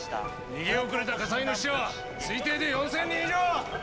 逃げ遅れた火災の死者は推定で４，０００人以上！